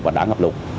và đã ngập lụt